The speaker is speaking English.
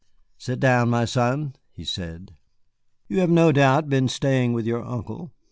"Sit down, my son," he said; "you have no doubt been staying with your uncle."